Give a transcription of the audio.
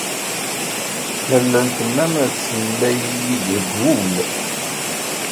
Tallalt-nnem tella-iyi-d deg wul.